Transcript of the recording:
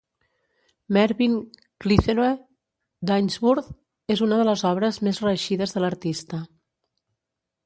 "Mervin Clitheroe" d'Ainsworth és una de les obres més reeixides de l'artista.